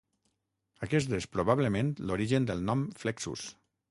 Aquest és probablement l'origen del nom "flexus".